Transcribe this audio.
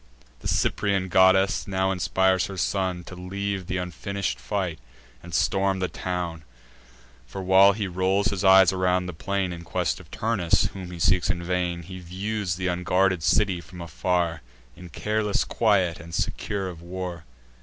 The Cyprian goddess now inspires her son To leave th' unfinish'd fight, and storm the town: For, while he rolls his eyes around the plain In quest of Turnus, whom he seeks in vain, He views th' unguarded city from afar, In careless quiet, and secure of war.